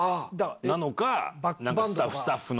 なのか。